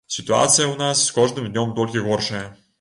Сітуацыя ў нас з кожным днём толькі горшае.